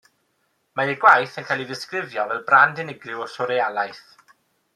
Mae ei gwaith yn cael ei ddisgrifio fel brand unigryw o swrealaeth.